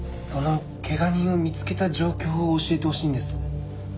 その怪我人を見つけた状況を教えてほしいんです。